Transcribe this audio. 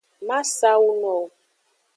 Ma sa awu no wo.